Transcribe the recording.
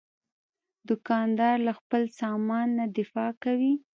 دوکاندار له خپل سامان نه دفاع کوي.